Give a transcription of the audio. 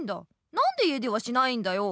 なんで家ではしないんだよ？